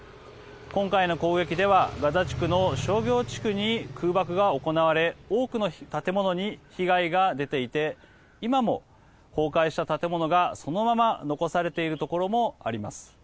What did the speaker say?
今回の攻撃ではガザ地区の商業地区に空爆が行われ多くの建物に被害が出ていて今も、崩壊した建物がそのまま残されているところもあります。